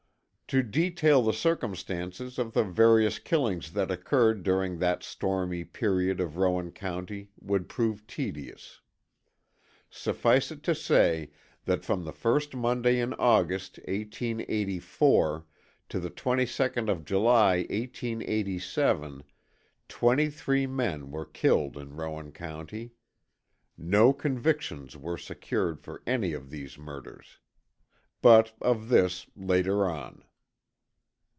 To detail the circumstances of the various killings that occurred during that stormy period of Rowan County would prove tedious. Suffice it to say, that from the first Monday in August, 1884, to the 22nd of July, 1887, twenty three men were killed in Rowan County. No convictions were secured for any of these murders. But of this later on.